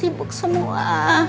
nenek sibuk semua